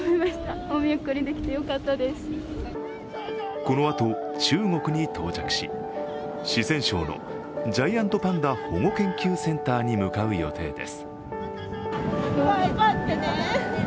このあと中国に到着し四川省のジャイアントパンダ保護研究センターに向かう予定です。